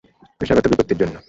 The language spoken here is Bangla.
পেশাগত বিপত্তির জন্য।